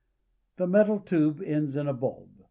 The metal tube ends in a bulb.